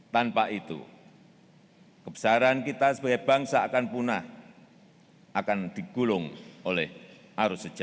tanpa itu kebesaran kita sebagai bangsa akan punah akan digulung oleh arus sejarah